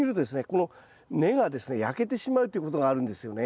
この根がですね焼けてしまうということがあるんですよね。